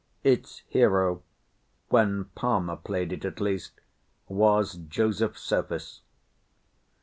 Its hero, when Palmer played it at least, was Joseph Surface.